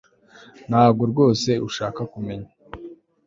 Ntabwo rwose ushaka kumenya